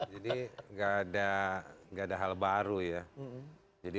jadi gak ada hal baru ya